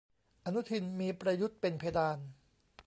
อนุทินมีประยุทธ์เป็นเพดาน